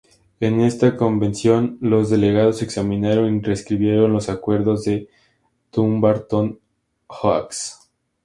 En esta convención, los delegados examinaron y reescribieron los acuerdos de Dumbarton Oaks.